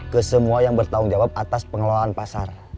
ke semua yang bertanggung jawab atas pengelolaan pasar